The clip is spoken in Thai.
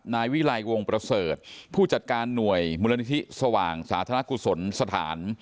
นายวิลัยวงประเสริฐผู้จัดการหน่วยมูลนิธิสว่างสาธารณกุศลสถาน